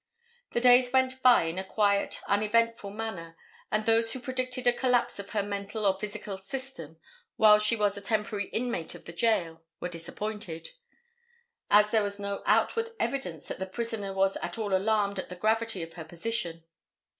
The days went by in a quiet uneventful manner and those who predicted a collapse of her mental or physical system, while she was a temporary inmate of the jail were disappointed; as there was no outward evidence that the prisoner was at all alarmed at the gravity of her position.